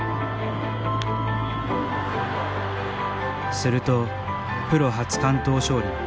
すると、プロ初完投勝利。